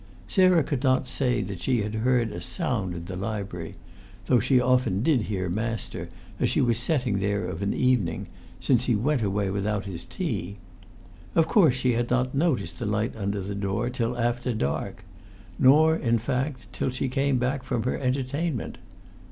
Sarah could not say that she had heard a sound in the lib'ry though she often did hear master, as she was setting there of a evening since he went away without his tea. Of course she had not noticed the light under the door till after dark; not, in fact, till she came back from her entertainment.